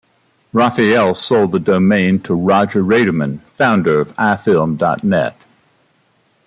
Raphael sold the domain to Rodger Raderman, founder of iFilm dot net.